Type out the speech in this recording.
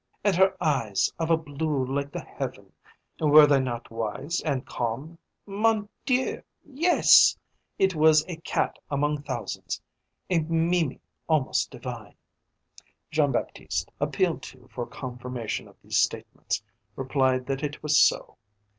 And her eyes, of a blue like the heaven, were they not wise and calm? Mon Dieu, yes! It was a cat among thousands, a mimi almost divine. Jean Baptiste, appealed to for confirmation of these statements, replied that it was so.